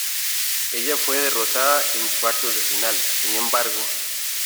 Ella fue derrotada en cuartos de final, sin embargo.